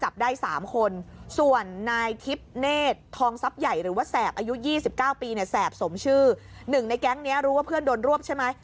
๕ปีเนี่ยแสบสมชื่อ๑ในแก๊งนี้รู้ว่าเพื่อนโดนรวบใช่ไหม